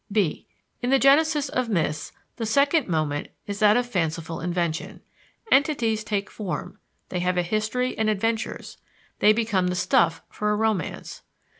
b. In the genesis of myths, the second moment is that of fanciful invention. Entities take form; they have a history and adventures: they become the stuff for a romance.